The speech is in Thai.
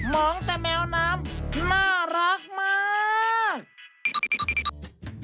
องแต่แมวน้ำน่ารักมาก